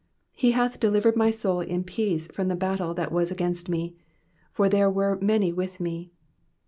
18 He hath delivered my soul in peace from the battle that ivas against me : for there were many with me.